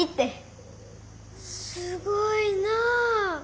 すごいなあ。